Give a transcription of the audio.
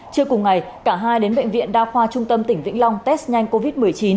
trưa cùng ngày cả hai đến bệnh viện đa khoa trung tâm tỉnh vĩnh long test nhanh covid một mươi chín